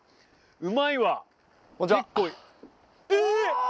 うまいわ。